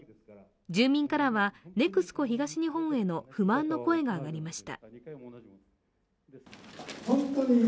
住民からはＮＥＸＣＯ東日本への不満の声が上がりました。